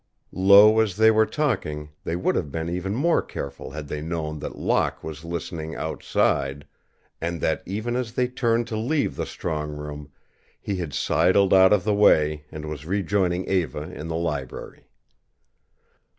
Low as they were talking, they would have been even more careful had they known that Locke was listening outside and that, even as they turned to leave the strong room, he had sidled out of the way and was rejoining Eva in the library.